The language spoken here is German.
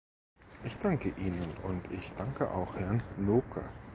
Ich danke Ihnen, und ich danke auch Herrn Nooke.